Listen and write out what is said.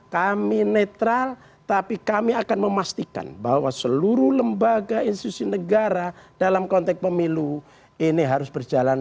kami netral tapi kami akan memastikan bahwa seluruh lembaga institusi negara dalam konteks pemilu ini harus berjalan